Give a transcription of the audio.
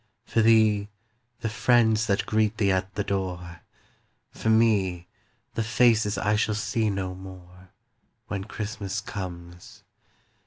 For thee, the friends that greet thee at the door, For me, the faces I shall see no more, When Christmas comes.